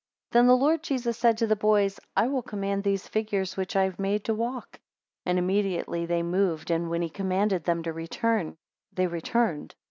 4 Then the Lord Jesus said to the boys, I will command these figures which I have made to walk. 5 And immediately they moved, and when he commanded them to return, they returned.